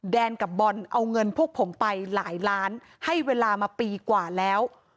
แนนกับบอลเอาเงินพวกผมไปหลายล้านให้เวลามาปีกว่าแล้ว